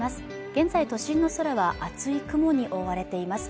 現在都心の空は厚い雲に覆われています